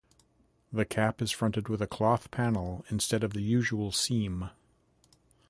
The cap is fronted with a cloth panel instead of the usual seam.